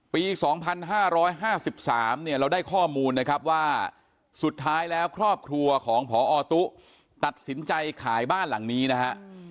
ปี๒๕๕๓เนี่ยเราได้ข้อมูลนะครับว่าสุดท้ายแล้วครอบครัวของพอตุ๊ตัดสินใจขายบ้านหลังนี้นะฮะ